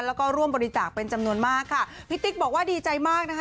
แล้วก็ร่วมบริจาคเป็นจำนวนมากค่ะพี่ติ๊กบอกว่าดีใจมากนะคะ